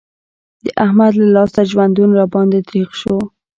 د احمد له لاسه ژوندون را باندې تريخ شو.